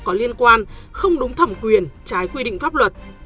có liên quan không đúng thẩm quyền trái quy định pháp luật